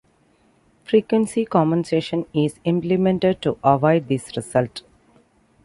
Frequency compensation is implemented to avoid this result.